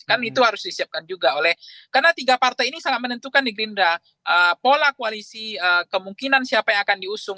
kan itu harus disiapkan juga oleh karena tiga partai ini sangat menentukan di gerindra pola koalisi kemungkinan siapa yang akan diusung